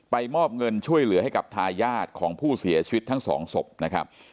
มอบเงินช่วยเหลือให้กับทายาทของผู้เสียชีวิตทั้งสองศพนะครับ